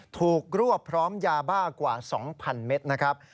ถูกรวบพร้อมยาบ้ากว่า๒๐๐เมตรนะครับ